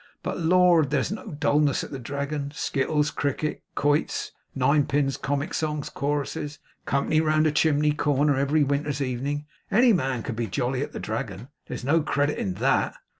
But, Lord, there's no dullness at the Dragon! Skittles, cricket, quoits, nine pins, comic songs, choruses, company round the chimney corner every winter's evening. Any man could be jolly at the Dragon. There's no credit in THAT.